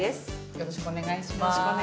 よろしくお願いします。